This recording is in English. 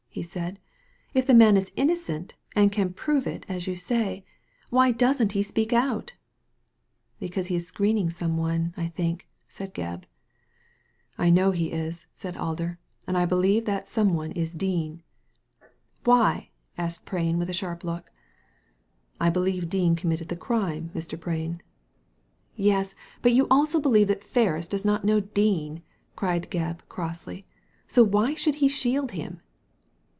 " he said ;" if the man is innocent, and can prove it, as you say, why doesn't he speak out ?"Because he is screening some one, I think/' said Gebb. Digitized by Google A SURPRISING DISCOVERY 149 " I know he is," said Alder ;" and I believe that the some one is Dean«" " Why ?" asked Prain, with a sharp look. "I believe that Dean committed the crime, Mr. Prain." "Yes, but you also believe that Ferris does not know Dean," cried Gebb, crossly; "so why should he shield him